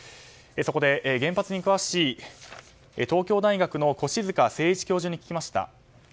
そこで原発に詳しい東京大学の越塚誠一教授に聞きました。